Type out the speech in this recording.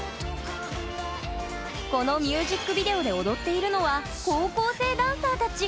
このミュージックビデオで踊っているのは高校生ダンサーたち。